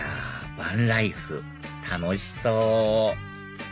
バンライフ楽しそう！